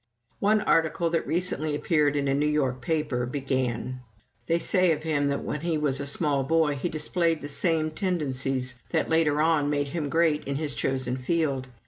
One article that recently appeared in a New York paper began: "They say of him that when he was a small boy he displayed the same tendencies that later on made him great in his chosen field.